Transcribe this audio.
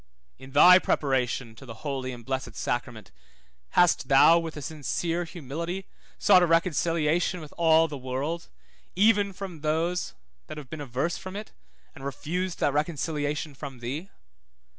In thy preparation to the holy and blessed sacrament, hast thou with a sincere humility sought a reconciliation with all the world, even with those that have been averse from it, and refused that reconciliation from thee?